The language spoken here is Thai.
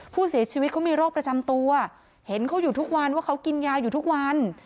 ผู้เสียชีวิตเขามีโรคประจำตัวเห็นเขาอยู่ทุกวันว่าเขากินยาอยู่ทุกวัน